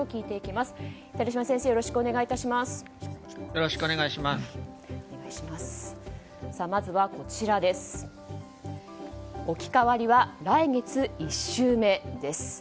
まずは置き換わりは来月１週目です。